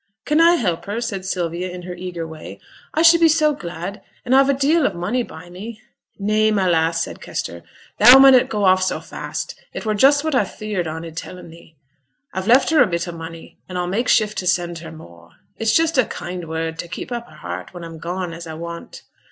'Can I help her?' said Sylvia, in her eager way. 'I should be so glad; and I've a deal of money by me ' 'Nay, my lass,' said Kester, 'thou munnot go off so fast; it were just what I were feared on i' tellin' thee. I've left her a bit o' money, and I'll mak' shift to send her more; it's just a kind word, t' keep up her heart when I'm gone, as I want.